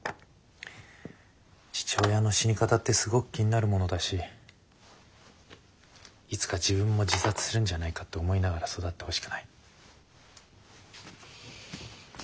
父親の死に方ってすごく気になるものだしいつか自分も自殺するんじゃないかって思いながら育ってほしくない。